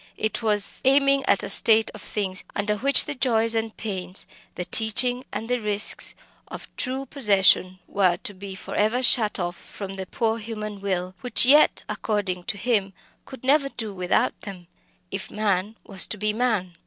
It was aiming at a state of things under which the joys and pains, the teaching and the risks of true possession, were to be for ever shut off from the poor human will, which yet, according to him, could never do without them, if man was to be man.